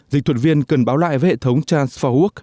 dịch thuật viên cần báo lại với hệ thống trans bốn work